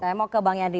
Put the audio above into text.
saya mau ke bang yandri